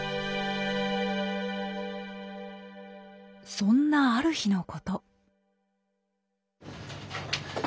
そんなある日のこと。